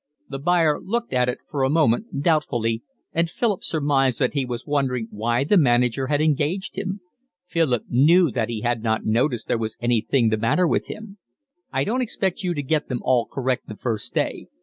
The buyer looked at it for a moment doubtfully, and Philip surmised that he was wondering why the manager had engaged him. Philip knew that he had not noticed there was anything the matter with him. "I don't expect you to get them all correct the first day.